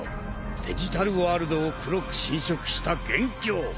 デジタルワールドを黒く侵食した元凶。